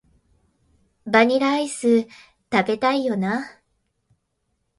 バニラアイス、食べたいよな